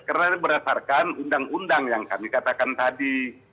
karena ini berdasarkan undang undang yang kami katakan tadi